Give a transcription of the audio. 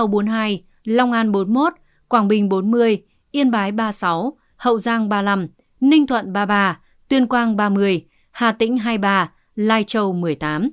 bình bốn mươi yên bái ba mươi sáu hậu giang ba mươi năm ninh thuận ba mươi ba tuyên quang ba mươi hà tĩnh hai mươi ba lai châu một mươi tám